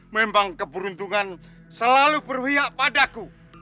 memang keberuntungan selalu berhia hia padaku